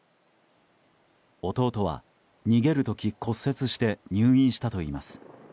弟は逃げる時、骨折して入院したといいます。